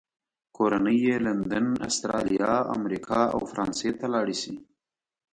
کورنۍ یې لندن، استرالیا، امریکا او فرانسې ته لاړې شي.